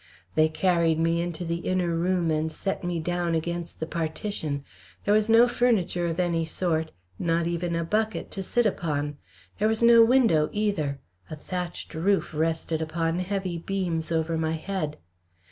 They carried me into the inner room and set me down against the partition. There was no furniture of any sort, not even a bucket to sit upon; there was no window either, a thatched roof rested upon heavy beams over my head.